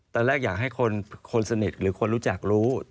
ตอนแรกอยากให้คนสนิทหรือคนรู้จักรู้